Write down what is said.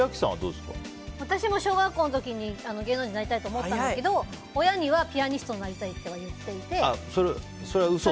私も小学校の時に芸能人なりたいと思ったんだけど親にはピアニストになりたいってそれは嘘？